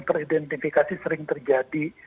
peridentifikasi sering terjadi